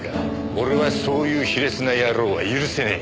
俺はそういう卑劣な野郎は許せねえ。